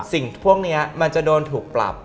สิ่งพวกนี้มันจะโดนถูกปรับ